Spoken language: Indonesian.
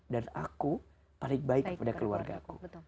dan aku paling baik kepada keluarga aku